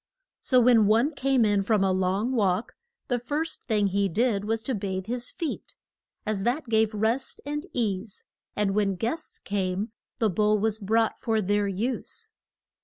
So when one came in from a long walk the first thing he did was to bathe his feet, as that gave rest and ease, and when guests came the bowl was brought for their use.